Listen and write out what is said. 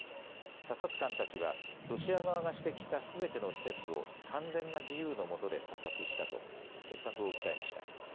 査察官たちはロシア側が指摘したすべての施設を完全な自由のもとで査察したと潔白を訴えました。